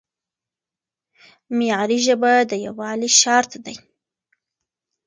معیاري ژبه د یووالي شرط دی.